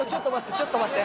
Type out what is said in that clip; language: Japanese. ちょっと待って！